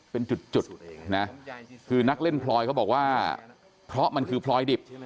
เป็นจุดนะคือนักเล่นพลอยเขาบอกว่าเพราะมันคือพลอยดิบ